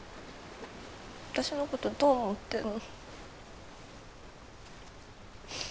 私のことどう思ってるの？